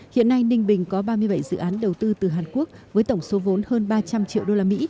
hiện nay ninh bình có ba mươi bảy dự án đầu tư từ hàn quốc với tổng số vốn hơn ba trăm linh triệu usd